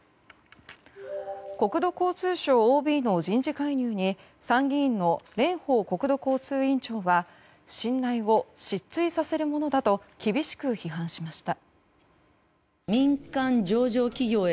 国土交通省ＯＢの人事介入に参議院の蓮舫国土交通委員長は信頼を失墜させるものだと厳しく批判しました。